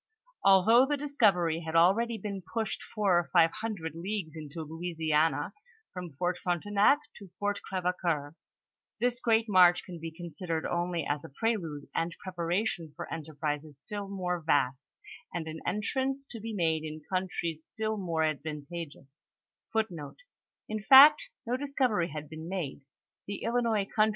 Although the discovery had already been pushed four or five hundred leagues into Louisiana,* from Fort Frontenac to Fort Crevecoeur; this great march can be considered only as a prelude and preparation for enterprises still more vast, and an entrance to be made in countries still more advan tageous.